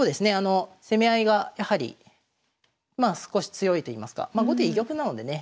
攻め合いがやはりまあ少し強いといいますかまあ後手居玉なのでね